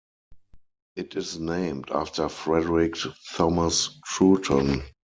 It is named after Frederick Thomas Trouton.